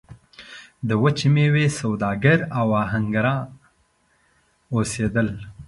د وچې میوې سوداګر او اهنګران اوسېدل.